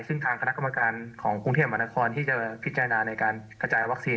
ซึ่งทางคณะกรรมการของกรุงเทพมหานครที่จะพิจารณาในการกระจายวัคซีน